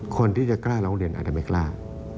คนที่จะกล้าร้องเรียนอาดาเมกล้า